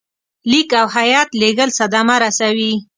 لیک او هیات لېږل صدمه رسوي.